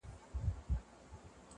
وړي لمبه پر سر چي شپه روښانه کړي.!